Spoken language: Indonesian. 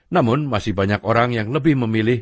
namun masih banyak orang yang lebih memilih